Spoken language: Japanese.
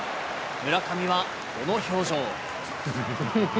村上はこの表情。